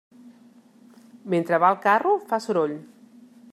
Mentre va el carro, fa soroll.